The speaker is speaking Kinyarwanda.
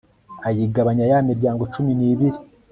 ayigabanya ya miryango cumi n'ibiri